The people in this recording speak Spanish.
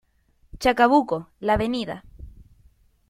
Chacabuco, la Av.